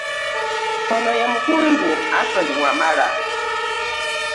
Ono ye Omukungu Anthony Wamala